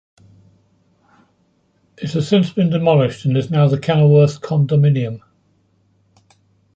It has since been demolished and is now the Kenilworth Condominium.